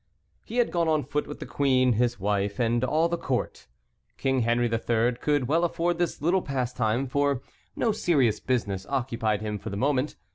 He had gone on foot with the queen, his wife, and all the court. King Henry III. could well afford this little pastime, for no serious business occupied him for the moment.